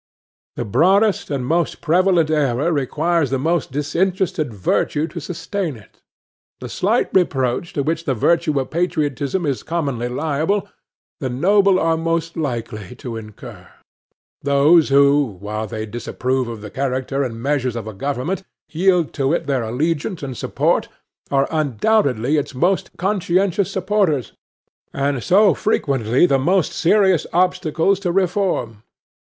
The broadest and most prevalent error requires the most disinterested virtue to sustain it. The slight reproach to which the virtue of patriotism is commonly liable, the noble are most likely to incur. Those who, while they disapprove of the character and measures of a government, yield to it their allegiance and support, are undoubtedly its most conscientious supporters, and so frequently the most serious obstacles to reform.